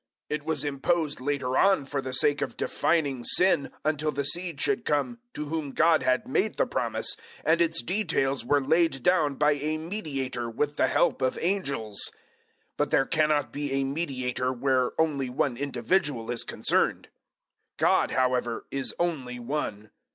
It was imposed later on for the sake of defining sin, until the seed should come to whom God had made the promise; and its details were laid down by a mediator with the help of angels. 003:020 But there cannot be a mediator where only one individual is concerned. 003:021 God, however, is only one.